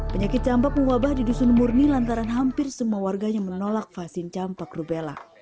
penyakit campak mewabah di dusun murni lantaran hampir semua warganya menolak vaksin campak rubella